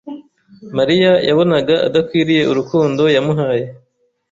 Mariya yabonaga adakwiriye urukundo yamuhaye.